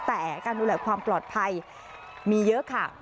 แต่การดูแลความปลอดภัยมีเยอะค่ะ